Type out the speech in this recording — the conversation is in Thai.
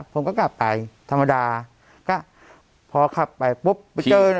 ผมก็กลับไปธรรมดาก็พอขับไปปุ๊บไปเจอนะ